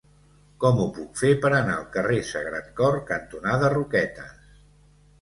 Com ho puc fer per anar al carrer Sagrat Cor cantonada Roquetes?